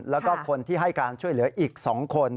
แล้วก็คนที่ให้การช่วยเหลืออีก๒คน